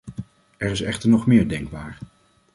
Er is echter nog meer denkbaar.